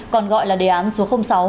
còn gọi là đề án số sáu